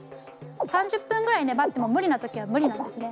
３０分ぐらい粘っても無理な時は無理なんですね。